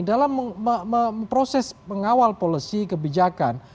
dalam proses pengawal policy kebijakan